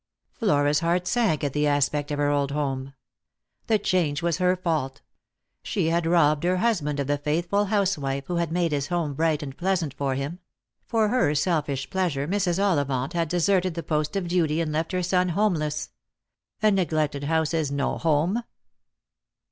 Flora's heart sank at the aspect of her old home. The change was her fault. She had robbed her husband of the faithful housewife who had made his home bright and pleasant for him ; for her selfish pleasure Mrs. Ollivant had deserted the post of duty, and left her son homeless. A neglected house is no home.